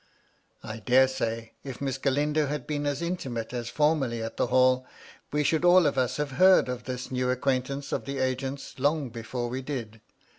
I dare say, if Miss Galindo had been as intimate as formerly at the Hall, we should all of us have heard of this new acquaintance of the agent's long before we did.